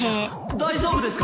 大丈夫ですか？